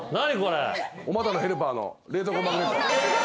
おまたのヘルパーの冷蔵庫マグネット。